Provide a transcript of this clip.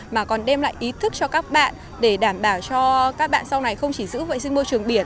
mà còn đem lại ý thức cho các bạn để đảm bảo cho các bạn sau này không chỉ giữ vệ sinh môi trường biển